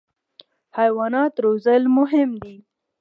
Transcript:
حیوانات روزل مهم دي.